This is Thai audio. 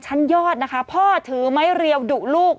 ชั้นยอดนะคะพ่อถือไม้เรียวดุลูก